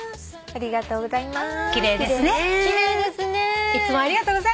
ありがとうございます。